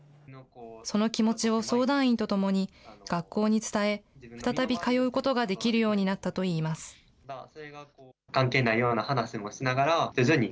その気持ちを相談員とともに学校に伝え、再び通うことができるようになったといいます。